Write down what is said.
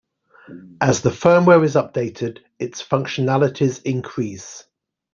As the firmware is updated, its functionalities increase.